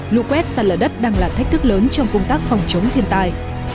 lũ quét sạt lở đất đang là thách thức lớn trong công tác phòng chống thiên tai